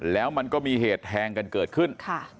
แล้วมันก็มีเหตุแทงกันเกิดขึ้น